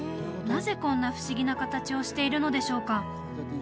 なぜこんな不思議な形をしているのでしょうか？